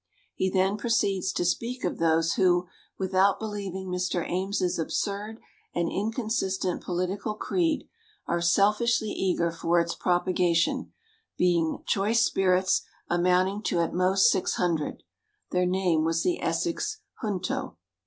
He then proceeds to speak of those who, without believing Mr. Ames's "absurd and inconsistent political creed," are selfishly eager for its propagation, being "choice spirits, amounting to at most six hundred" (their name was the Essex Junto!)